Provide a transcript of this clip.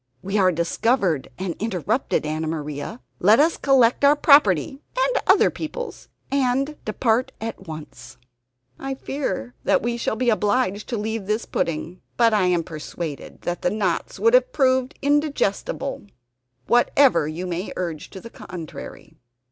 "We are discovered and interrupted, Anna Maria; let us collect our property and other people's and depart at once. "I fear that we shall be obliged to leave this pudding. "But I am persuaded that the knots would have proved indigestible, whatever you may urge to the contrary."